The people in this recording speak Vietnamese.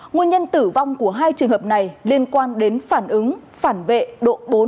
nguyên nhân tử vong của hai trường hợp này liên quan đến phản ứng phản vệ độ bốn